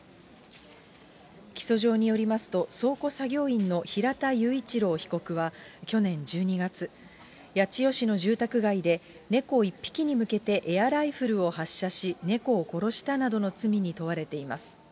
起訴状によりますと、倉庫作業員の平田雄一郎被告は、去年１２月、八千代市の住宅街で猫１匹に向けてエアライフルを発射し、猫を殺したなどの罪に問われています。